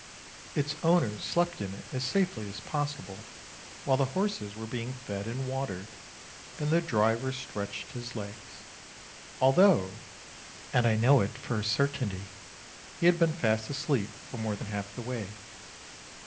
Its owners slept in it as safely as possible, while the horses were being fed and watered, and the driver stretched his legs, although — and I know it for a certainty — he had been fast asleep for more than half the way.